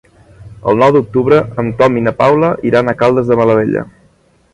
El nou d'octubre en Tom i na Paula iran a Caldes de Malavella.